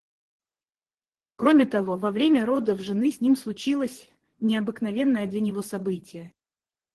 Кроме того, во время родов жены с ним случилось необыкновенное для него событие.